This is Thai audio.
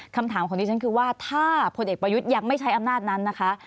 คำถามของดิฉันคือว่าถ้าพลเอกประยุทธ์ยังไม่ใช้อำนาจนั้นนะคะ